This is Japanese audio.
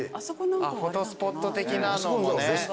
フォトスポット的なのもね。